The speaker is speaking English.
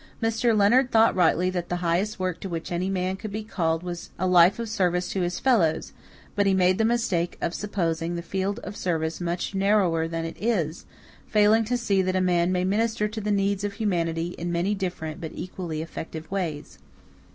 Mr. Leonard thought rightly that the highest work to which any man could be called was a life of service to his fellows; but he made the mistake of supposing the field of service much narrower than it is of failing to see that a man may minister to the needs of humanity in many different but equally effective ways.